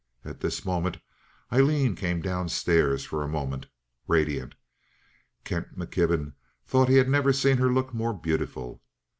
At this moment Aileen came down stairs for a moment, radiant. Kent McKibben thought he had never seen her look more beautiful.